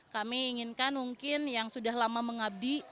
kami inginkan mungkin yang sudah lama mengabdi